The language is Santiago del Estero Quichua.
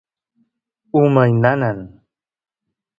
umay nanan